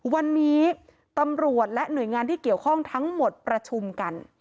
วันนี้ตำรวจและหน่วยงานที่เกี่ยวข้องทั้งหมดประชุมกัน